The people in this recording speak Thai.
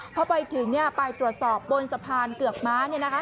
พอไปถึงไปตรวจสอบบนสะพานเกือกม้า